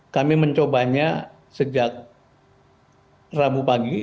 kami mencobanya sejak rabu pagi